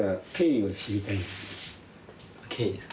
経緯ですか？